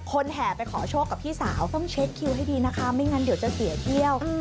แห่ไปขอโชคกับพี่สาวต้องเช็คคิวให้ดีนะคะไม่งั้นเดี๋ยวจะเสียเที่ยว